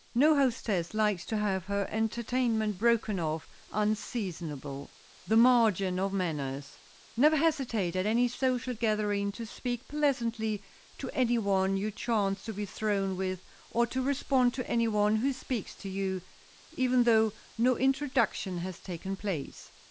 No hostess likes to have her entertainment broken off unseasonably. [Sidenote: THE MARGIN OF MANNERS] Never hesitate at any social gathering to speak pleasantly to any one you chance to be thrown with or to respond to any one who speaks to you, even though no introduction has taken place.